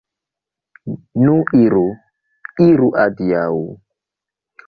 Nu iru, iru, adiaŭ!